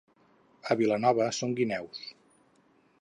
A Vilanova són guineus.